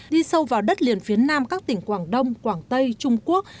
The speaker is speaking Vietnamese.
đi sâu vào đất liền phía nam các tỉnh quảng đông quảng tây trung quốc